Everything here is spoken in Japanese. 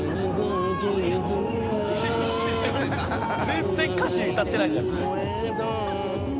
「全然歌詞歌ってないじゃないですか」